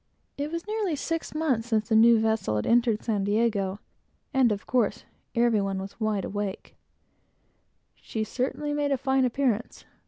It was nearly six months since a new vessel had entered San Diego, and of course, every one was on the qui vive. She certainly made a fine appearance.